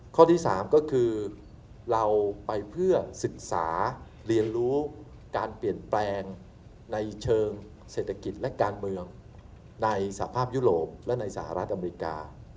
ข้อที่๓ก็คือเราไปเพื่อศึกษาเรียนรู้การเปลี่ยนแปลงในเชิงเศรษฐกิจและการเมืองในสภาพยุโรปและในสหรัฐอเมริกา